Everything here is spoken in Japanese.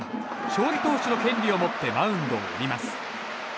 勝利投手の権利を持ってマウンドを降ります。